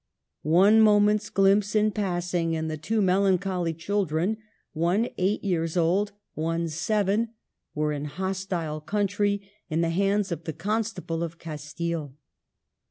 One moment's glimpse in passing, and the two melancholy children (one eight years old, one seven) were in a hostile country, in the hands of the Constable of Castile.